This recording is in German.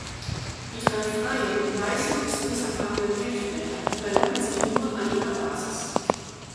Die drei freien, weißen bis rosafarbenen Kelchblätter überlappen sich nur an ihrer Basis.